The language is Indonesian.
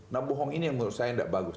nah bohong ini yang menurut saya tidak bagus